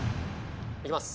いきます。